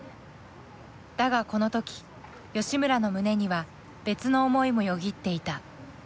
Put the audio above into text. だがこの時吉村の胸には別の思いもよぎっていた。